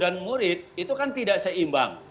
murid itu kan tidak seimbang